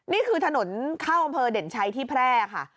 นี่คือถนนเข้าอำเภอเด่นชัยที่แพร่ค่ะ